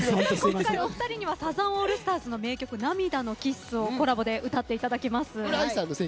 今回、お二人にはサザンオールスターズの名曲「涙のキッス」をコラボで歌っていただきます。